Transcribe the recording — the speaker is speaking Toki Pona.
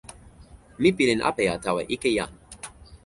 mi pilin apeja tawa ike Jan.